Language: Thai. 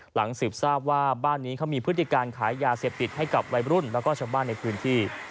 หลังสืบทราบว่าบ้านนี้เขามีพฤติการขายยาเสพติดให้กับวัยรุ่นแล้วก็ชาวบ้านในพื้นที่